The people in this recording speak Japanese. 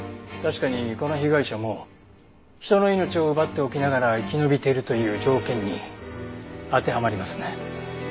確かにこの被害者も人の命を奪っておきながら生き延びてるという条件に当てはまりますね。